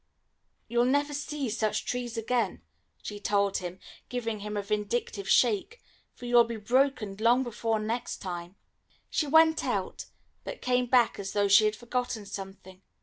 "You'll never see such trees again," she told him, giving him a vindictive shake, "for you'll be brokened long before next time." She went out, but came back as though she had forgotten something.